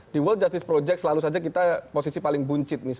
di world justice project selalu saja kita posisi paling buncit